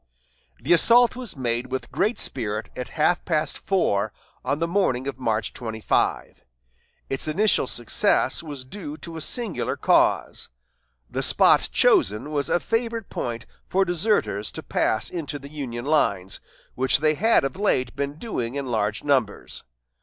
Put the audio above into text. The assault was made with great spirit at half past four on the morning of March 25. Its initial success was due to a singular cause. The spot chosen was a favorite point for deserters to pass into the Union lines, which they had of late been doing in large numbers.